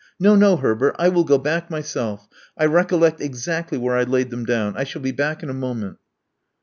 No, no, Herbert: I will go back myself. I recollect exactly where I laid them down. I shall be back in a moment."